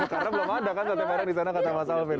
karena belum ada kan sate padang di sana kata mas alvin